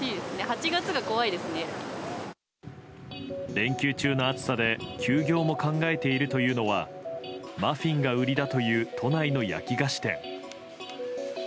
連休中の暑さで休業も考えているというのはマフィンが売りだという都内の焼き菓子店。